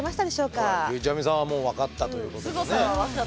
ゆうちゃみさんはもうわかったということですね。